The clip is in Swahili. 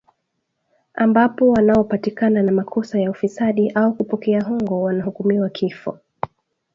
ambapo wanaopatikana na makosa ya ufisadi au kupokea hongo wanahukumiwa kifo